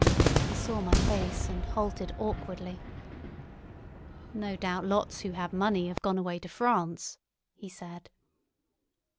..." He saw my face, and halted awkwardly. "No doubt lots who had money have gone away to France," he said.